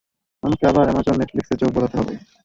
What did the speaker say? আমাকে আবার অ্যামাজন, নেটফ্লিক্সে চোখ বোলাতে হবে।